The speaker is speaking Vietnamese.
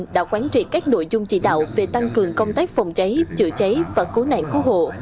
đã quán trị các nội dung chỉ đạo về tăng cường công tác phòng cháy chữa cháy và cố nạn cố hộ